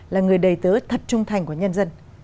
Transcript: là người đầy tớ thật trung thành của nhân dân